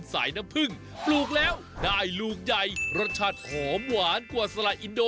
น้ำผึ้งปลูกแล้วได้ลูกใหญ่รสชาติหอมหวานกว่าสละอินโด